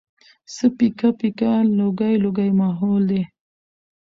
څه پيکه پيکه لوګی لوګی ماحول دی